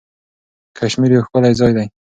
کشمیر یو ښکلی ځای دی.